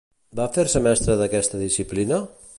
Va fer-se mestra d'aquesta disciplina?